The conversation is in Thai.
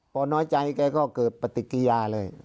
พอน้อยใจแกก็เกิดปฏิกิยาเลย